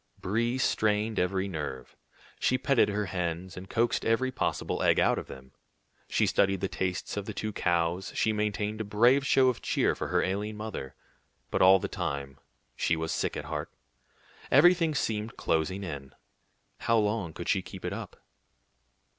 Brie strained every nerve. She petted her hens, and coaxed every possible egg out of them, she studied the tastes of the two cows, she maintained a brave show of cheer for her ailing mother, but all the time she was sick at heart. Everything seemed closing in. How long could she keep it up?